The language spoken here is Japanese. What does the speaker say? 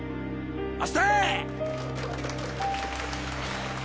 あっした！